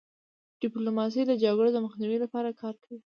ډيپلوماسي د جګړو د مخنیوي لپاره کار کوي.